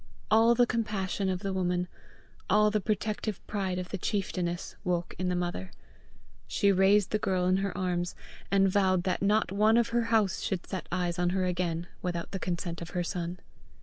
All the compassion of the woman, all the protective pride of the chieftainess, woke in the mother. She raised the girl in her arms, and vowed that not one of her house should set eyes on her again without the consent of her son.